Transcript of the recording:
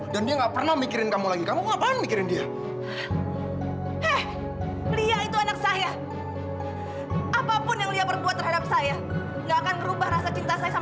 ya gua mau balik aja